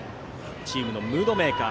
チームのムードメーカー